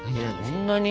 そんなに？